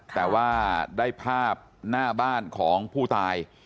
แต่ว่าได้ภาพหน้าบ้านของผู้ตาย